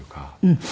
うん。